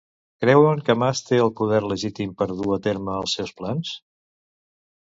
Creuen que Mas té el poder legítim per dur a terme els seus plans?